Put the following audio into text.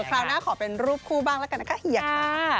คราวหน้าขอเป็นรูปคู่บ้างละกันนะค่ะฮี่ยะ